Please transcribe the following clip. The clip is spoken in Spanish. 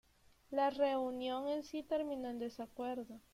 La reunión en sí terminó en desacuerdo.